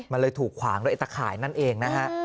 มันเลยถูกขวางด้วยไอ้ตะข่ายนั่นเองนะฮะ